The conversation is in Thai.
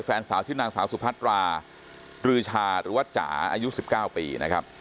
แฟนสาวชื่อนางสาวสุพัตรารือชาหรือว่าจ๋าอายุ๑๙ปีนะครับ